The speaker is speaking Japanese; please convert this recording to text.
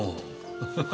ハハハ。